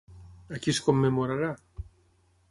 A qui es commemorarà?